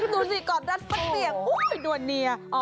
ดูสิกอดดัดปะเตียงโอ๊ยด่วนเนียม